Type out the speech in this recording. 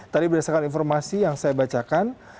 tadi berdasarkan informasi yang saya bacakan